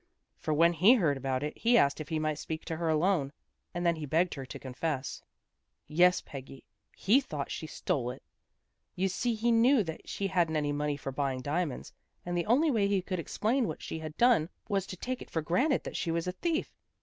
For when he heard about it, he asked if he might speak to her alone, and then he begged her to confess. Yes, Peggy, he thought she stole it. You see he knew that she hadn't any money for buying diamonds, and the only way he could explain what she had done was to take it for granted that she was a thief.